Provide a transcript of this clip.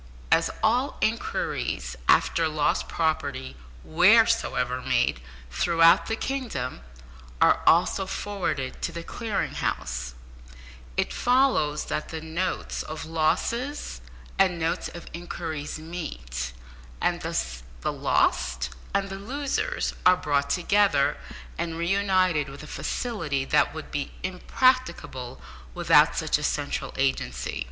As all inquiries after lost property, wheresoever made throughout the kingdom, are also forwarded to the Clearing House, it follows that the notes of losses and notes of inquiries meet, and thus the lost and the losers are brought together and re united with a facility that would be impracticable without such a central agency.